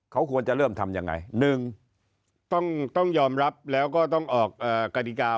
เขาควรจะเริ่มทำยังไง๑ต้องยอมรับแล้วก็ต้องออกกฎิกา